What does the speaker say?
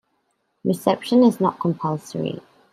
Reception is not compulsory.